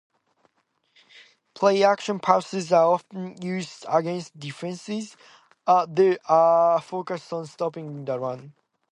Play-action passes are often used against defenses that are focused on stopping the run.